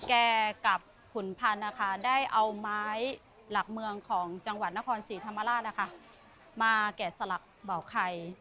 กับขุนพันธ์นะคะได้เอาไม้หลักเมืองของจังหวัดนครศรีธรรมราชมาแกะสลักเบาไข่